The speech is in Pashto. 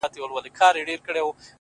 o ځوان د پوره سلو سلگيو څه راوروسته؛